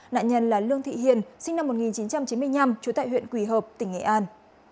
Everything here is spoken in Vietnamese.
nạn nhân là lương thị hiền sinh năm một nghìn chín trăm chín mươi năm trú tại huyện quỳ hợp tỉnh nghệ an